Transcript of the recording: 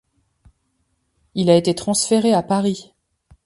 Il a été transféré à Paris.